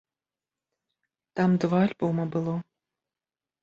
Там два альбома было.